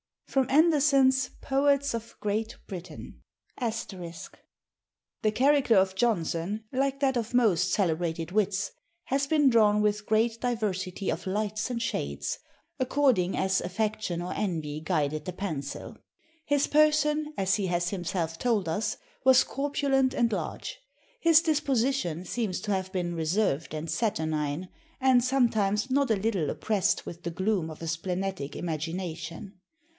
[Sidenote: Anderson's Poets of Great Britain. *] "The character of Jonson, like that of most celebrated wits, has been drawn with great diversity of lights and shades, according as affection or envy guided the pencil. His person, as he has himself told us, was corpulent and large. His disposition seems to have been reserved and saturnine, and sometimes not a little oppressed with the gloom of a splenetic imagination....